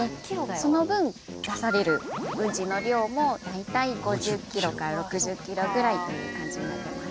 その分出されるウンチの量も大体５０ｋｇから６０ｋｇぐらいという感じになってます